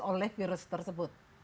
oleh virus tersebut